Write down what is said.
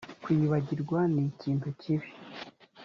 kwibagirwa ni ikintu kibi